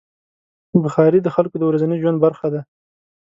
بخاري د خلکو د ورځني ژوند برخه ده.